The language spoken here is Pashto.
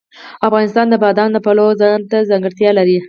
افغانستان د بادام د پلوه ځانته ځانګړتیا لري.